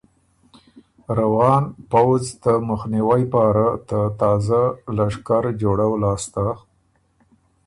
روان پؤځ ته مُخنیوئ پاره ته تازه لشکر جوړؤ لاسته